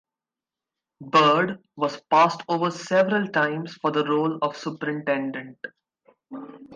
Byrd was passed over several times for the role of superintendent.